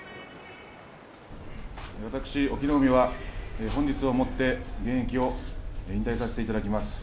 私隠岐の海は本日をもって現役を引退させていただきます。